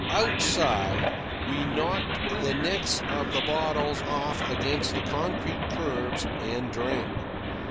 Outside, we knocked the necks of the bottles off against the concrete curbs, and drank.